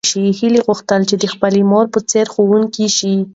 هیلې غوښتل چې د خپلې مور په څېر ښوونکې شي.